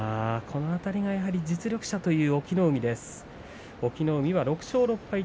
この辺りが実力者という隠岐の海です。